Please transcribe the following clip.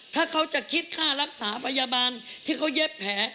ถ้าเขาจะคิดค่ารักษาพยาบาลที่เขาเย็บแผล